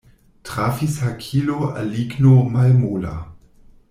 Trafis hakilo al ligno malmola.